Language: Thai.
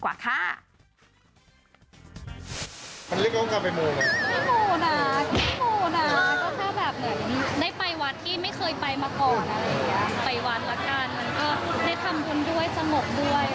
ให้ทำคุณด้วยจมกด้วย